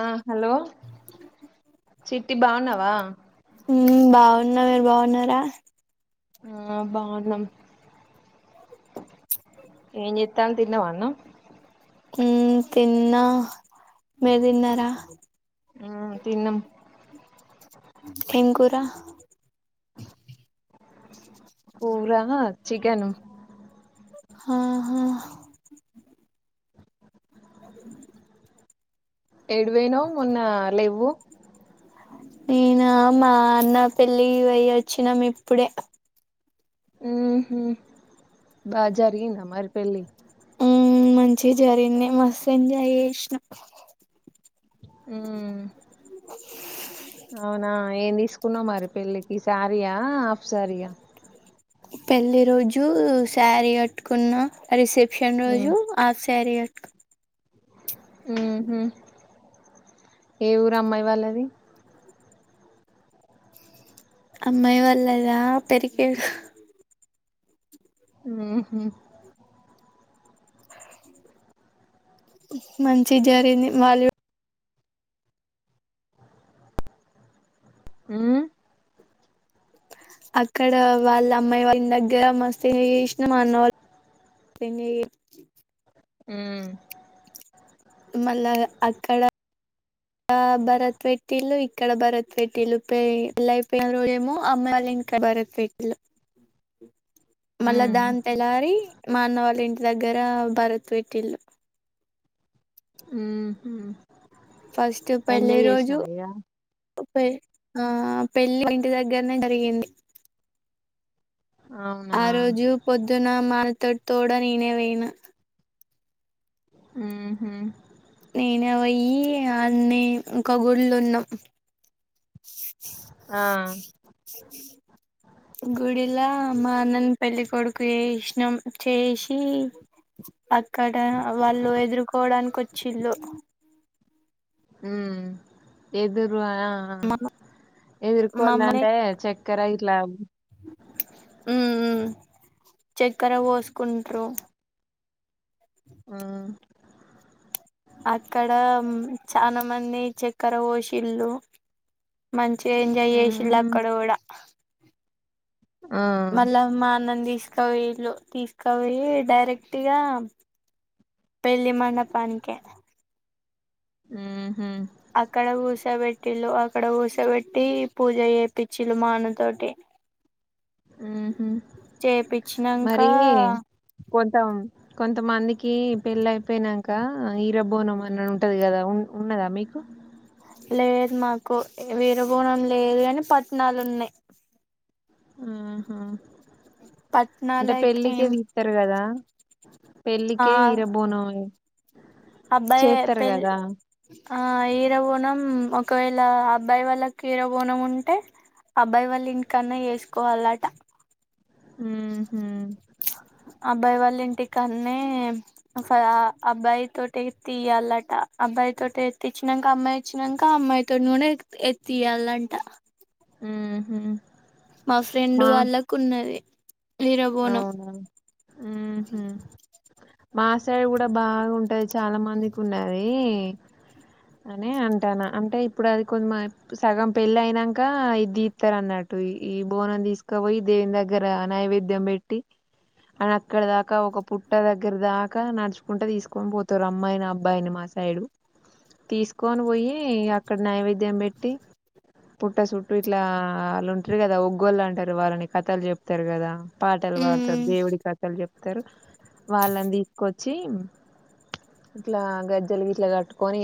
ఆ హలో చిట్టి బాగున్నావా హు బాగున్న మీరు బాగున్నారా ఆ బాగున్నాం ఏం చెత్తను తిన్నావా అన్నం ఉ తిన్నా మీరు తిన్నార హా తిన్నం ఏం కూర కూర చికెన్ ను ఆహా ఎటు పోయినవ్ మొన్న లేవు నేనా మా అన్న పెళ్ళి కి పోయి వచ్చినాము ఇప్పుడే ఉహు బాగా జరిగిందా మరి పెళ్లి ఆ మంచి జరిగింది మస్తు ఎంజాయ్ చేసినం ఊ అవునా ఏం తీసుకున్నా మరి పెళ్ళికి సారియా అప్ ఆఫ్ సారీ నా పెళ్లి రోజు సారీ కట్టుకున్న రిసెప్ ప్షన్ రోజు మ్మ్ ఆఫ్ సారీ క ఉహు ఏ ఊరు అమ్మాయి వాళ్ళది అమ్మయి వాళ్లది పెరికేేడు ఉహు మంచి జరిగింది వాళ్ళు ఊ అక్కడ వాళ్ళ అమ్మాయి వాళ్ళ దగ్గర మస్తు ఎంజాయ్ చేసినాం అన్న వాళ్ళుం [inaudible] ఎంజాయ్ చే హు మళ్ళా అక్కడ భరత్ పెట్టిల్లు ఇక్కడ భరత్ పెట్టిల్లు పె పెళ్లి అయిపోయిన రోజేమో అమ్మాయి వాళ్ళ ఇంకా భరత్ పెట్టిల్లు మళ్ళా మ్మ్ దాని తెల్లారి మా అన్నవాళ్ళ ఇ దగ్గర భరత్ పెట్టిలు ఉహు ఫస్ట్ పెళ్ళి రోజు ఇగ పె అహ పెళ్ళి ఇంటి దగ్గరనే జరిగింది అవునా ఆ రోజు పొద్దున మాతోటి తోడ ననే వేణ ఉహు నేనే అయిి అన్నీ ఇంకా గుళ్ళ ఉన్నాం ఆ గుడిలా మా అన్నన్న పెళ్లి కొొడుకు చేసినం చేసి అక్కడ వాళ్ళు ఎదుర్కోవడానికి వచ్చిళ్ళు ఉ ఎదు మా మమ్మనే ఎదుర్కలాంటే చక్కరయి ఇట్ల ఉ చక్కెర పోసుకుంటారు ఆ అక్కడ చాలా మంది చక్కెర ఓషిల్లు మంచిగా ఎంజాయ్ చేసిళ్ళు ఉహు అక్కడ కూడా ఆ మళ్లమ్మా ఆనంది వీళు తీసుకవి డైరెక్ట్గా పెళ్లిి మండపానికిే హ్మ్మ్ అక్కడ ఊసబెట్టిళు అక్కడ ఊసబెట్టి పూజ చేపిచ్చిళు మాన్న తోటి హ్మ్మ్ చేపిచ్చినంక మరి కొంతం కొంత కొంతమందికి పెళ్ళి అయిపోయినాక హీరబోనం అని ఉంటుంది కదా ఉ ఉన్నదా మీకు లేదు మాకు విరబోనం లేదు అని పట్నాలు ఉన్నాయి ఉహు అంటే పట్నాలకి పెళ్ళికిదిి ఇస్తారు కదా వివి పెళ్ళికే ఎరబోనం అబ్బా పెళ్ళి ఆ ఇరబోనం ఒకవేళ అబ్బాయి వాళ్ళ కీర బోనం ఉంటే అబ్బాయి వాళ్ళ ఇంటికన్నె వేసుకోవాలట హ్మ్మ్ హ్మ్మ్ ఇంటికన్న అబ్బాయి తోటి ఎ తీయాలట అబ్బాయి తోటి ఎత్చ్చినాక అమ్మాయి ఇచ్చినాక అమ్మాయి తోటి కూడా ఎతియాలంట ఉమ్ మా ఫ్రెండ్ వాళ్ళకు ఉన్నది వీరబోనం అవునా ఉహు మా సైడ్ కూడా బాగుంటది చాలా మందికి ఉన్నది అని అంటాను అంటే ఇప్పుడు అది కొ సగం పెళ్ళి అయినాక ఇ దీతారు అన్నట్టు ఈ బోనం తీసుకుపోయి దేవుని దగ్గర నైవేద్య ం పెట్టి అని అక్కడ దాకా ఒక పుట్ట దగ్గర దాకా నడుచుకుంటే తీసుకొని పోతారు అమ్మాయిని అబ్బాయిని మా సైడు తీసుకొని పోయి అక్కడ నైవేద్యం పెట్టి పుట్ట చుట్టూ ఇట్లా వాళ్ళు ఉంటారు కదా ఒగ్గోళ్ళ అంటారు వాళ్ళని కథలు చెప్తారు కదా పాటలు వాడుతారు దేవుడి కథల చెప్తారు వాళ్ళని తీసుకొచ్చి ఇట్లా గజ్జలు గట్లా కట్టుకొని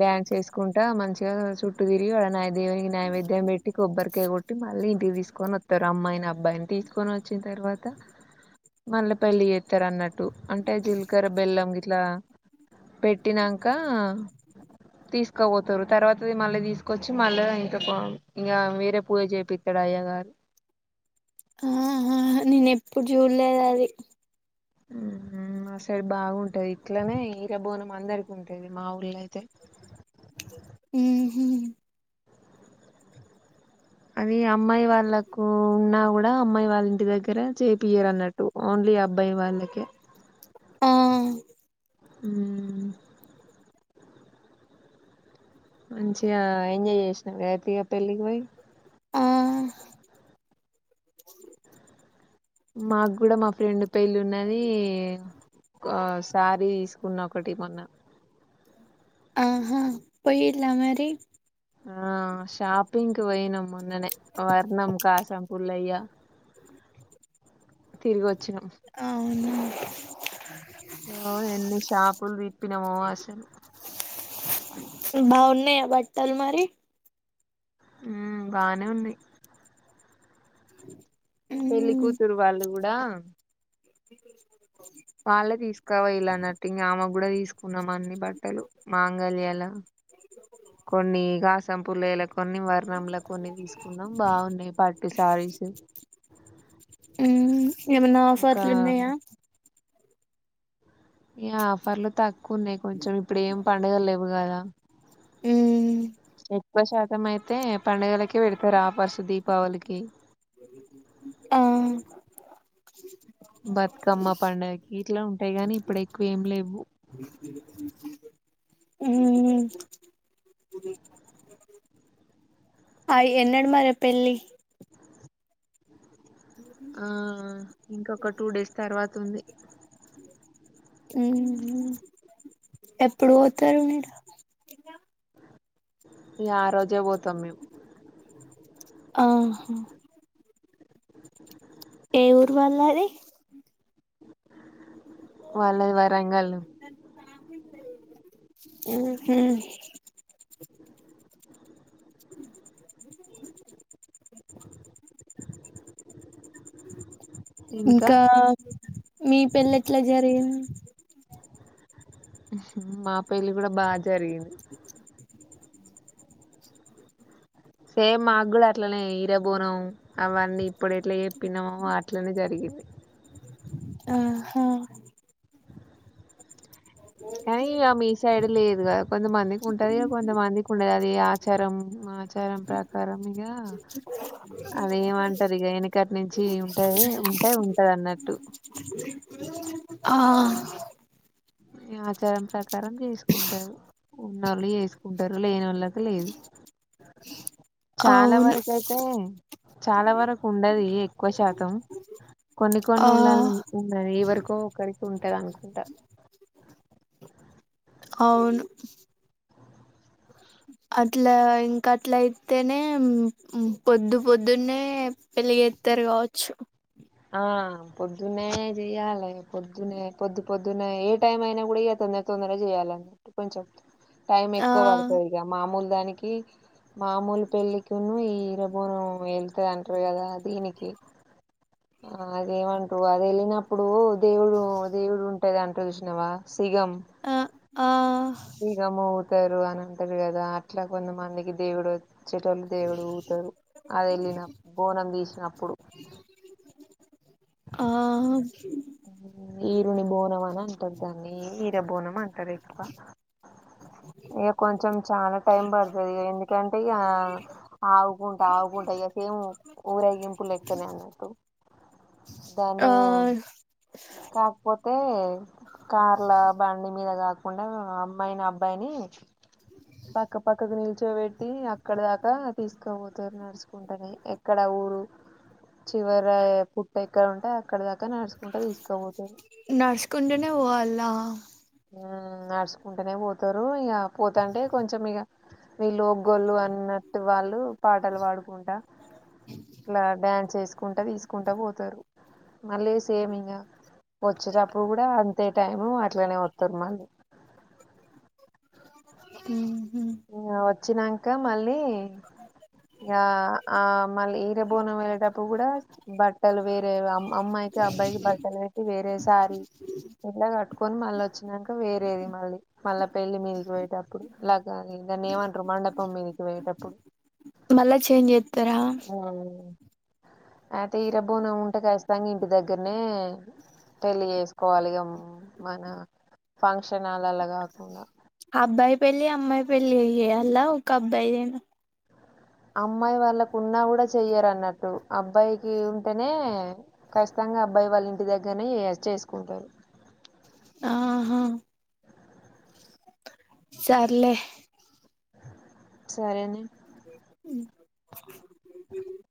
డ్యాన్స్ వేసుకుంటా మంచిగా చుట్టూ తిరిగి వాళ దేవునికి నైవేద్యం పెట్టి కొబ్బరికాయ కొట్టి అంటే మళ్ళీ ఇంటికి తీసుకొని వస్తారు అమ్మాయి అబ్బాయిని తీసుకొని వచ్చిన తర్వాత మళ్ళీ పెళ్ళి చేస్తారు అన్నట్టు అంటే జీలకర్ర బెల్లం ఇట్లా పెట్టినాక తీసుకోపోతారు తర్వాతది మళ్ళీ తీసుకొచ్చి మళ్ళీ ఇంకా ఇంకా వేరే పూజ చేపిస్తాడు అయ్యా గారు ఆ నేను ఎప్పుడు చూడ్ లేదు అది ఆ సైడ్ బాగుంటది ఇట్లనే హీరోబోనం అందరికి ఉంటది మా ఊర్లో అయితే ఆహ అది అమ్మాయి వాళ్ళలకు ఉన్నా కూడా అమ్మాయి వాళ్ళ ఇంటి దగ్గర చేపియరు అన్నట్టు ఓన్లీ అబ్బాయి వాళ్ళకే ఆ అ మంచిగా ఎంజాయ్ చేసిన అయితేగా పెళ్ళికి పోయి ఆ మాకు కూడా మా ఫ్రెండ్ పెళ్ళి ఉన్నది ఒక శ్యారీ తీసుకున్న ఒకటి మొన్న ఆహా పోయిండ్లా మరి ఆ షాపింగ్ కు పోయిన మొన్ననే వర్ణం కాసం పుల్లయ్యా తిర్ గోచ్ అవును ఓ ఎన్ని షాపులు తిప్పినా మో అసలు బాగున్నాయా బట్టాలు మరి ఉ బాగనే ఉన్నాయి ఇనో అడిబుల్ పెళ్లి కూతురు వాళ్ ది కూడా విశ వాళ్ళే తీసుకోవ ఇలాన్నట్టు ఇంకా అమ కూడా తీసుకో న అన్ని బట్టలు మాంగళ్యాల కొన్ని గా సంపూల ఎలకు కొన్ని వర్ణంలా కొన్ని తీసుకున్నాం బాగున్నాయి పట్టు శారీస్ మ్మ్ ఏమన్నా ఒక ఆఫర్లు ఉన్నాయా ఎ ఆఫర్లు తక్ కొన్నాయి కొంచెం ఇప్పుడు ఏం పండగల్ లేవు కదా మ్మ్ ఎక్కుశాతం అయితే పండుగలకే పెడతారు ఆఫర్సు దీపావళికి ఆ బతుకమ్మ పండగకి ఇట్లా ఉంటాయి గానీ ఇప్పుడ ఎక్కువ ఏం లేవు ఇనోఅడిబుల్ అ అయి ఎన్నాడు మరే పెళ్ళి ఆ ఇంకొక టూ డేస్ తర్వాత స్తుంది ఎప్పుడు పోతారు మీరు ఇంక ఆ రోజే పోతాం మేము ఆ ఎవరు వాళ్ళది వాళ్ళది వరంగల్ హ్మ్ హు బైబిలు ఇంకా మీ పెళ్లి ఎట్లా జరిగింది గ్రహించిన మా పెళ్లి కూడా బా జ్ జరిగింది సేమ్ మా కూడా అట్లనే ఇరబోనము అవన్నీ ఇప్పుడు ఎట్లా చెప్పినామో అట్లనే జరిగింది ఆ హా కానీ ఇగ మీ సైడ్ లేదు కదా కొంతమందికి ఉంటది కొంతమందికి ఉండది అది చరం మా ప్రచారం ప్రకారం ఇగ అది ఏమంటారు ఇగ వెనుగటి నుంచి ఉంటాది ఉంటాయి ఉంటది అన్నట్టు ఆ ఆచారం ప్రకారం చేసుకుంటారు ఉన్న వాళ్ళు చేసుకుంటారు లేని వాళ్ళకు లేదు చాలా అవును వరకు అయితే చాలా వరకు ఉండది ఎక్కువ శాతం కొన్ని ఆ కొన్ని ఊళలో ఉన్నది ఎవరు ఒక్కో ఒకరికి ఉంటది అనుకుంటా అవును అట్ల ఇంకా అట్ల అయితేనే పొద్దు పొద్దునే పెళ్లిచేతరు కావచ్చు ఆ పొద్దునే చెయాలి పొద్దునే పొద్దు పొద్దున్న ఏ టైం అయినా కూడా ఏ తొందర తొందర చేయ్యాల కొంచెం టైం ఆ ఎక్కువ పడుతుంది ఇక మామూలు దానికి కి మామూలు పెళ్ళికిను ఇరబోనం వెళ్త అంటారు కదా దీనికి ఆ అదేమంటు అది వెళ్ళినప్పుడు దేవుడు దేవుడు ఉంటాది అంటారు చూసినవా సిగం ఆ ఆ ఇగాము వస్తారు అని అంటారు కదా అట్లా కొంతమందికి దేవుడు చెటలు దేవుడు ఊగుతరు అది ఎల్లి బోనం దీసిన ఇప్పుడు ఆ అవును ఈరుని బోనం అని అంటది దాన్ని ఈీర బోనం అంటది ఎక్కువ ఇక కొంచెం చాలా టైం పడుతుంది ఇక ఎందుకంటే ఇక ఆవుకుంటా ఆవుకుంటా ఇక సేమ్ ఊరేగింపు లెక్కనే అన్నట్టు ఆ దాన్ని కాకపోతే కార్ల బండి మీద కాకుండా అమ్మాయిని అబ్బాయిని. పక్క పక్కకి నీ. కూర్చో పెట్టి అక్కడ దాకా తీసుకోపోతారు నడుచుకుంటానే ఎక్కడ ఊరు. చివర పు. ఇక్కడ ఉంటే అక్కడ. నడుచుకుంటా తీసుకపోతారు నడుచుకుంటేనే పోవాల. హా నడుచుకుంటేనే పోతారు. ఇగ పోతుంటే కొంచం ఇగ. వాళ్ళు పాటలు ఓ గోళ్ళు అన్నట్టు వాళ్ళు పాటలు పాడుకుంటా ఇలా డ్యాన్స్ చేసుకు. తీసుకుంటా తీసుకుంటా పోతారు. మళ్ళీ సేమ్ ఇంకా వచ్చేటప్పుడు కూడా అంతే టైం అట్లానే ఉ. తర్మాలు. ఉహ్ ఉహ్ వచ్చినాక మళ్ళీ. ఆహా. ఆ మళ్ళీ ఈరబోనం వెళ్ళేటప్పుడు కూడా బట్టలు వేరే. అమ్మాయికి అబ్బాయికి బట్టలు పెట్టి వేరే. సారీ ఇట్లా కట్టుకొని మళ్ళీ వచ్చినాక వేరేది మళ్ళీ మళ్ళా పెళ్లి మీదికి పోయేటప్పుడు లా. కానీ దాన్ని ఏమంటారు మండపం మీదికి వెయేటప్పుడు. మళ్ళా ఛేంజ్ చేతారా. ఉమ్. అయితే ఈరబోన ఉంటే ఖచ్చితంగా ఇంటి దగ్గరనే పెళ్ళి చేేసుకోవాలి ఇగ మన ఫంక్షన్లలా కాకుండా. అబ్బాయి పెళ్లి అమ్మాయి పెళ్లి అయ చేయాలా ఒక అబ్బాయి లేనా. అమ్మాయి వాళ్ళకున్నా కూడా చెయ్యరు అన్నట్టు అబ్బాయికి ఉంటేనే ఖచ్చితంగా అబ్బాయి వాళ్ళ ఇంటి దగ్గరనే చేసుకుంటారు. ఆహా. సార్లే. సరేనే. ఉహ్.